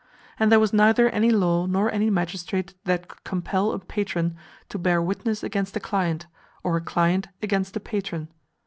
And there was neither any law nor any magistrate that could compel a patron to bear witness against a client, or a client againt a patron.